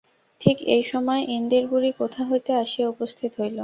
ঠিক এই সময় ইন্দির বুড়ি কোথা হইতে আসিয়া উপস্থিত হইল।